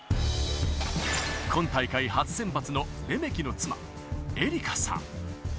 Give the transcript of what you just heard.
今大会初先発のレメキの妻・恵梨佳さん。